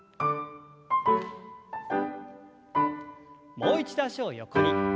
もう一度脚を横に。